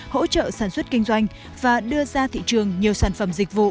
hỗ trợ sản xuất kinh doanh và đưa ra thị trường nhiều sản phẩm dịch vụ